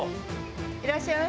いらっしゃいませ。